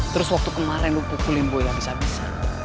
terus waktu kemarin lo pukulin boy abis abisan